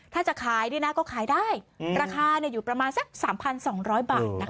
ถ้าจะขายด้วยนะก็ขายได้ราคาอยู่ประมาณสัก๓๒๐๐บาทนะคะ